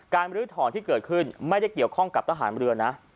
การบริษัททอนที่เกิดขึ้นไม่ได้เกี่ยวข้องกับทหารบริเวณนะ